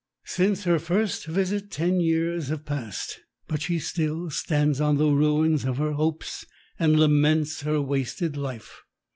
Since her first visit ten years have passed, but she still stands on the ruins of her hopes and laments her wasted life.